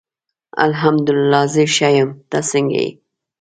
الحمد الله زه ښه یم ته څنګه یی